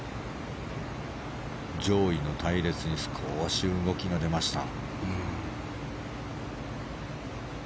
上位の隊列に少し動きが出ました。